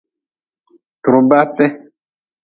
Turbate.